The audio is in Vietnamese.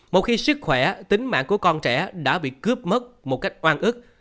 một khi sức khỏe tính mạng của con trẻ đã bị cướp mất một cách oan ức